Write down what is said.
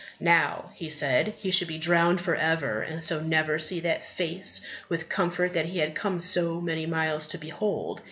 Now, he said, he should be drowned for ever, and so never see that Face with comfort that he had come so many miles to behold.